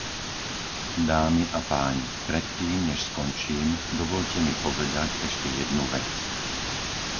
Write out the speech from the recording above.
Dámy a páni, pred tým než skončím, dovoľte mi povedať ešte jednu vec.